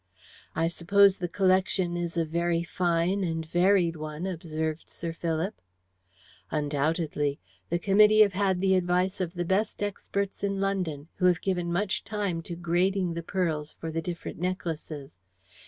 "I suppose the collection is a very fine and varied one?" observed Sir Philip. "Undoubtedly. The committee have had the advice of the best experts in London, who have given much time to grading the pearls for the different necklaces.